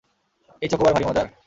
এই চকোবার ভারী মজার?